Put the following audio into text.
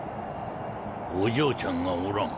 お嬢ちゃんがおらん。